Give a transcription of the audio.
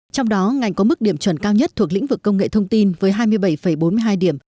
trong đó ngành có mức điểm chuẩn cao nhất thuộc lĩnh vực công nghệ thông tin với hai mươi bảy bốn mươi hai điểm